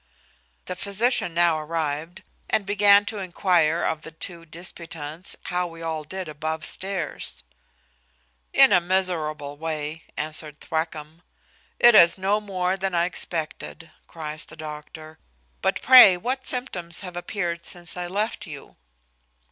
The physician now arrived, and began to inquire of the two disputants, how we all did above stairs? "In a miserable way," answered Thwackum. "It is no more than I expected," cries the doctor: "but pray what symptoms have appeared since I left you?"